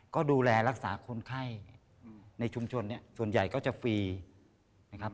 ก็ดูแลรักษาคนไข้ในชุมชนเนี่ยส่วนใหญ่ก็จะฟรีนะครับ